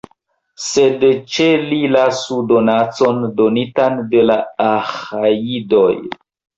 Sed ĉe li lasu donacon, donitan de la Aĥajidoj.